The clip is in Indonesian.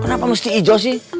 kenapa mesti hijau sih